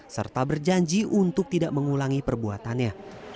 serta berjanji untuk tidak mengulangi perbuatannya